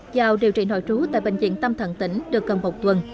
giao điều trị nội trú tại bệnh viện tâm thần tỉnh được gần một tuần